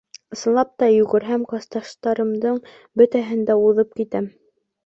Ысынлап йүгерһәм, класташтарымдың бөтәһен дә уҙып китәм.